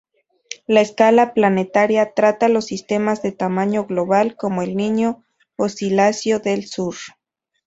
La escala planetaria trata los sistemas de tamaño global, como El Niño-Oscilación del Sur.